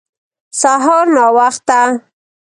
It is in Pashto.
سهار ناوخته